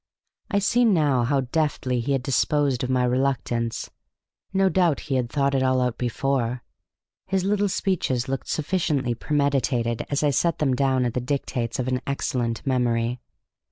I see now how deftly he had disposed of my reluctance. No doubt he had thought it all out before: his little speeches look sufficiently premeditated as I set them down at the dictates of an excellent memory.